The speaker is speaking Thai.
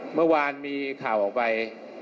เมื่อวานมีข่าวออกไป